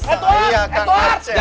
kang ragu muscles